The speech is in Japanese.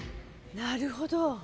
なるほど。